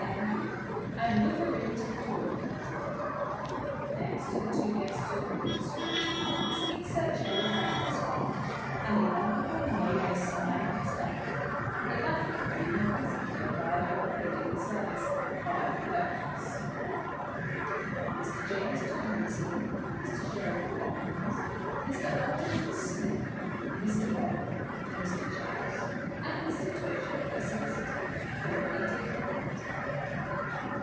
M.P., and Whipper in to the Tory party. Next to the two guests already described, sate Sir Cherry Bounce, Bart., and the Honourable Major Smilax Dapper—the latter of whom had recently acquired a grade in the service by purchase. Mr. James Tomlinson, Mr. Sheriff Popkins, Mr. Alderman Sniff, Mr. Bubble, Mr. Chouse, and Mr. Twitchem (a solicitor) completed the party.